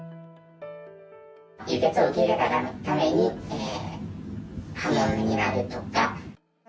輸血を受け入れたために、破門になるとか。